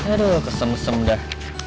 aduh kesem kesem dah